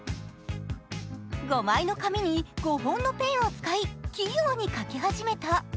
５枚の紙に５本のペンを使い、器用に描き始めた。